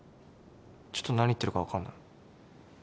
ちょっと何言ってるか分かんない